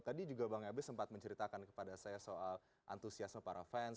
tadi juga bang ebes sempat menceritakan kepada saya soal antusiasme para fans